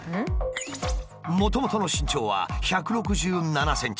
もともとの身長は１６７ｃｍ。